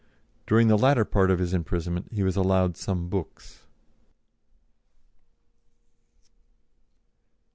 During the latter part of his imprisonment he was allowed some books.